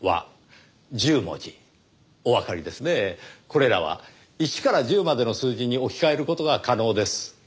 これらは１から１０までの数字に置き換える事が可能です。